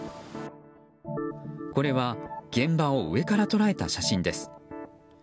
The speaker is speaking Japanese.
これは現場を上から捉えた写真です。